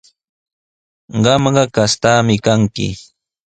Qamqa kastaami kanki.